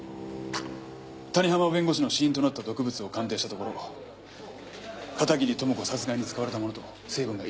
谷浜弁護士の死因となった毒物を鑑定したところ片桐朋子殺害に使われたものと成分が一致しました。